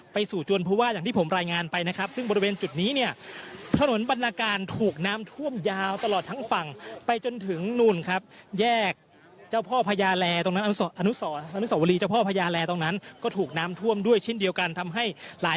ไปสู่จวนผู้ว่าจากที่ผมรายงานไปนะครับซึ่งบริเวณจุดนี้เนี่ย